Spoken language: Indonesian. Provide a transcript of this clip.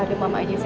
ada mama aja